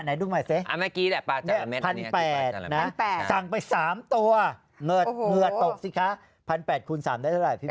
ไหนดูใหม่สิพันแปดนะสั่งไป๓ตัวเหงื่อตกสิคะพันแปดคูณสามได้เท่าไหร่พี่พี่